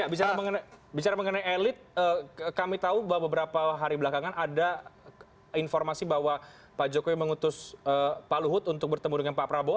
nah bicara mengenai elit kami tahu bahwa beberapa hari belakangan ada informasi bahwa pak jokowi mengutus pak luhut untuk bertemu dengan pak prabowo